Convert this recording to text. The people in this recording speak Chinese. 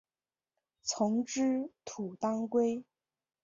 丛枝土当归